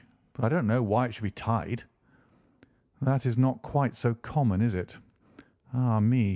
But I don't know why it should be tied." "That is not quite so common, is it? Ah, me!